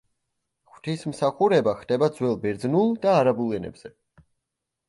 ღვთისმსახურება ხდება ძველ ბერძნულ და არაბულ ენებზე.